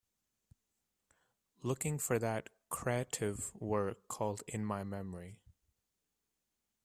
Looking for the crative work called In my memory